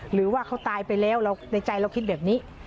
หรือว่าเขาตายไปแล้วในใจเราคิดแบบนี้